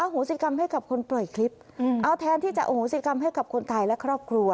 โหสิกรรมให้กับคนปล่อยคลิปเอาแทนที่จะอโหสิกรรมให้กับคนไทยและครอบครัว